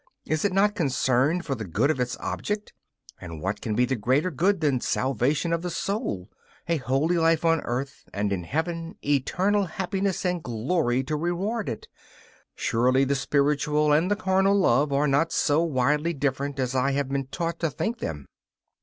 Is it not concerned for the good of its object? And what can be a greater good than salvation of the soul? a holy life on earth, and in Heaven eternal happiness and glory to reward it. Surely the spiritual and the carnal love are not so widely different as I have been taught to think them.